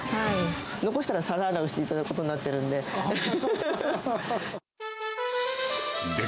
残したら皿洗いをしていただくことになってますので。